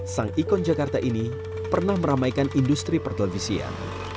sang ikon jakarta ini pernah meramaikan industri pertelevisian